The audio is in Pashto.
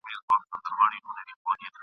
ملنګه ! په اخبار کښې يو خبر هم ﺯمونږ نشته ..